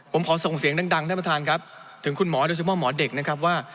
ผมขอส่งเสียงดังท่านประธานครับถึงคุณหมอโดยเฉพาะหมอเด็กนะครับว่า